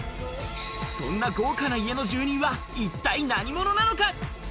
そんな豪華な家の住人は、一体何者なのか？